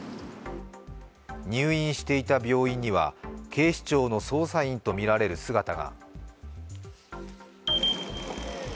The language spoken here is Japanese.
入院していた病院には警視庁の捜査員とみられる姿が。